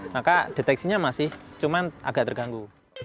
maka deteksinya masih cuma agak terganggu